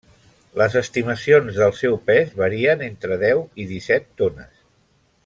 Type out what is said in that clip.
Les estimacions del seu pes varien entre deu i disset tones.